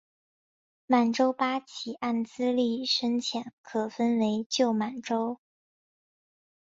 满洲八旗按资历深浅可分为旧满洲。